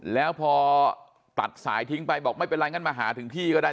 แล้วพอตัดสายทิ้งไปบอกไม่เป็นไรงั้นมาหาถึงที่ก็ได้